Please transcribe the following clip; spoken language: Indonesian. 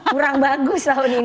kurang bagus tahun ini